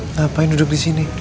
ngapain duduk di sini